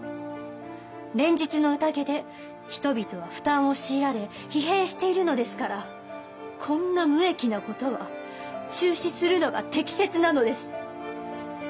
連日の宴で人々は負担を強いられ疲弊しているのですからこんな無益なことは中止するのが適切なのです。